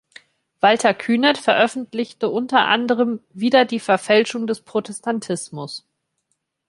Walter Künneth veröffentlichte unter anderem "Wider die Verfälschung des Protestantismus.